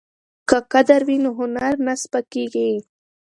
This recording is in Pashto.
که قدر وي نو هنر نه سپکیږي.